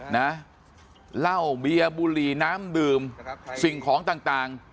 เหล้าเบียบุหรี่น้ำดื่มสิ่งของต่าง